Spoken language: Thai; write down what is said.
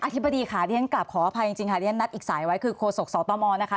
อธิบดีค่ะที่ฉันขออภัยจริงค่ะที่ฉันนัดอีกสายไว้คือโครสกสตมนะคะ